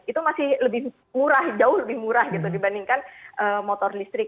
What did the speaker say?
itu masih lebih murah jauh lebih murah gitu dibandingkan motor listrik